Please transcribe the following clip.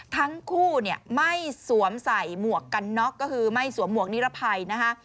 ทั้งคู่เนี่ยไม่สวมใส่หมวกกันน็อกก็คือไม่สวมหวกนิรภัยนะคะ